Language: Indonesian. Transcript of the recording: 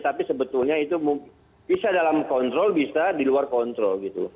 tapi sebetulnya itu bisa dalam kontrol bisa di luar kontrol gitu